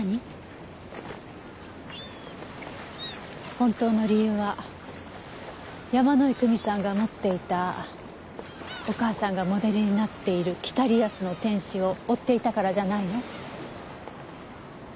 本当の理由は山井久美さんが持っていたお母さんがモデルになっている『北リアスの天使』を追っていたからじゃないの？